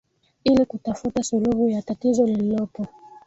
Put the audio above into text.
ili kutafuta suluhu ya tatizo lililopo